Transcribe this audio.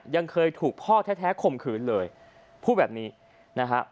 ยังเคยถูกพ่อแท้ข่มขืนเลยพูดแบบนี้นะฮะ